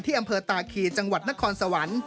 อำเภอตาคีจังหวัดนครสวรรค์